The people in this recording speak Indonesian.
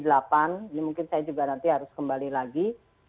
ini mungkin saya juga nanti harus kembali lagi